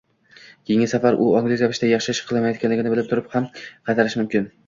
keyingi safar u ongli ravishda, yaxshi ish qilmayotganligini bilib turib ham qaytarishi mumkin.